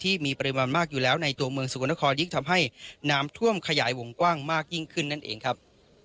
ที่มีปริมาณมากอยู่แล้วในตัวเมืองสกลนครยิ่งทำให้น้ำท่วมขยายวงกว้างมากยิ่งขึ้นนั่นเองครับ